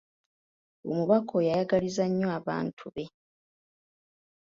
Omubaka oyo ayagaliza nnyo abantu be.